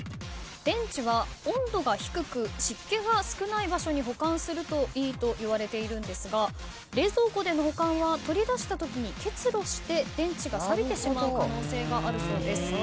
電池は温度が低く湿気が少ない場所に保管するといいといわれているんですが冷蔵庫での保管は取り出したときに結露して電池がさびてしまう可能性があるそうです。